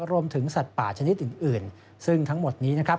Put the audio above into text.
สัตว์ป่าชนิดอื่นซึ่งทั้งหมดนี้นะครับ